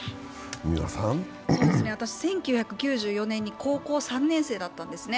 １９９４年に高校３年生だったんですね。